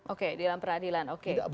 oke di dalam peradilan